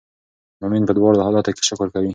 مؤمن په دواړو حالاتو کې شکر کوي.